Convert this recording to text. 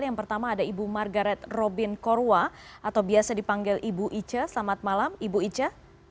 yang pertama ada ibu margaret robin korwa atau biasa dipanggil ibu ica selamat malam ibu ica